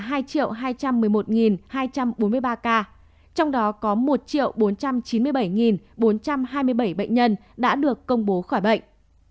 số ca nhiễm mới ghi nhận trong nước là hai hai trăm một mươi một hai trăm bốn mươi ba ca trong đó có một bốn trăm chín mươi bảy bốn trăm hai mươi bảy bệnh nhân đã được công bố khỏi bệnh